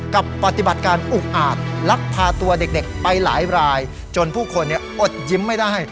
ปฏิบัติการอุกอาจลักพาตัวเด็กไปหลายรายจนผู้คนอดยิ้มไม่ได้